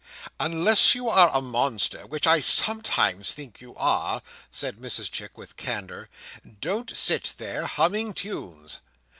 "Unless you are a monster, which I sometimes think you are," said Mrs Chick with candour, "don't sit there humming tunes.